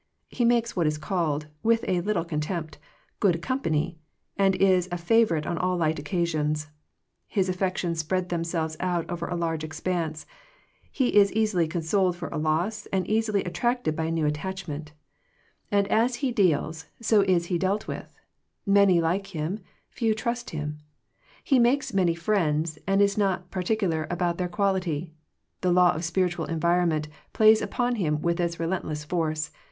He makes what is called, with a little contempt, good company, and is a favorite on all light occasions. His affections spread themselves out over a large expanse. He s easily consoled for a loss, and easily attvp'ted by a new attachment And as 92 Digitized by VjOOQIC THE CHOICE OF FRIENDSHIP he deals, so is he dealt with. Many lilce him; few quite trust him. He makes many friends, and is not particular about their quality. The law of spiritual en vironment plays upon him with its re lentless force.